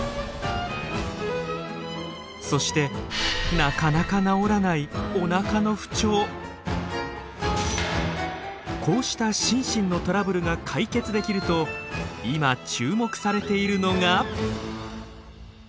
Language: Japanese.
そしてなかなか治らないこうした心身のトラブルが解決できると今注目されているのが。